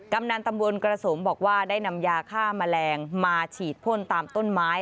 กำนันตำบลกระสมบอกว่าได้นำยาฆ่าแมลงมาฉีดพ่นตามต้นไม้